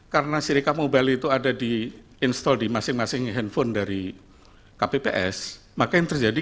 karena sirika mobile itu ada di install di masing masing handphone dari kpps maka yang terjadi